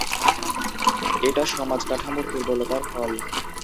এটা সমাজ কাঠামোর দুর্বলতার ফল।